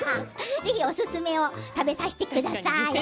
ぜひおすすめを食べさせてください。